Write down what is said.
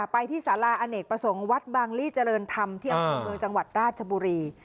ไปที่สาราอเนกประสงค์วัดบางลี่เจริญธรรมที่อำเภอเมืองจังหวัดราชบุรี